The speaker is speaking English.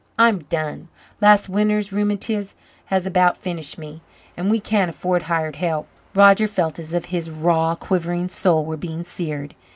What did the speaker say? I'm done last winter's rheumatiz has about finished me. An' we can't afford hired help." Roger felt as if his raw, quivering soul were being seared.